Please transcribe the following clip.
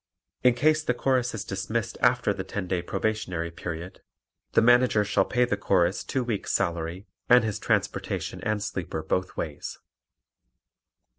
In case the Chorus is dismissed after the ten day probationary period the Manager shall pay the Chorus two weeks' salary and his transportation and sleeper both ways.